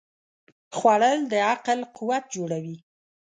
خوړل د عقل قوت جوړوي